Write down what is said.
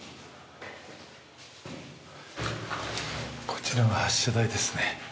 こちらが発射台ですね。